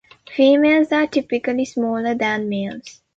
Females are typically smaller than males.